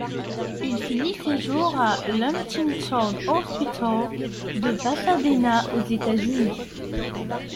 Il finit ses jours à l'Huntington Hospital de Pasadena aux États-Unis.